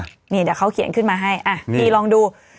เดี๋ยวเขาเขียนขึ้นมาให้อ่ะพี่ลองดู